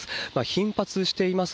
頻発しています